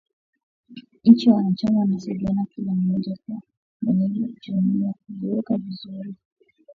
Nchi wanachama wanashindana kila mmoja kuwa mwenyeji wa jumuiya, wakijiweka vizuri kupata kivutio cha uwekezaji mkubwa.